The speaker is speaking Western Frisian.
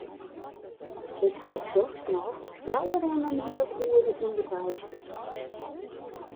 Ik ha dochs noch fjouwer en in heal oere ûnderweis west.